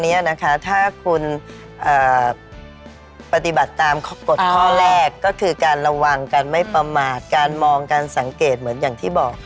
นี้นะคะถ้าคุณปฏิบัติตามกฎข้อแรกก็คือการระวังการไม่ประมาทการมองการสังเกตเหมือนอย่างที่บอก